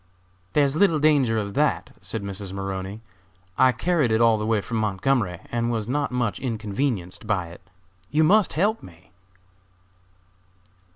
"There is little danger of that," said Mrs. Maroney. "I carried it all the way from Montgomery and was not much inconvenienced by it; you must help me."